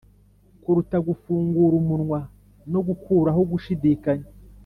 kuruta gufungura umunwa no gukuraho gushidikanya